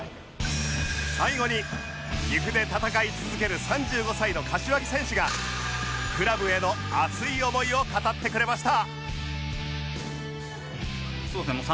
最後に岐阜で戦い続ける３５歳の柏木選手がクラブへの熱い思いを語ってくれました